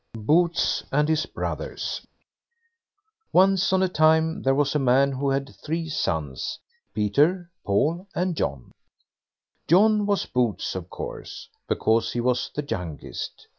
BOOTS AND HIS BROTHERS Once on a time there was a man who had three sons, Peter, Paul, and John. John was Boots, of course, because he was the youngest.